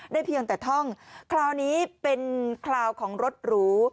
เพียงแต่ท่องคราวนี้เป็นคราวของรถหรู